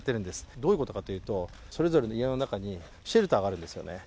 どういうことかというと、それぞれの家の中にシェルターがあるんですよね